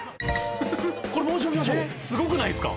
「これもう一度見ましょう」「すごくないですか？」